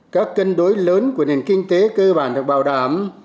các cân đối lớn của nền kinh tế cơ bản được bảo đảm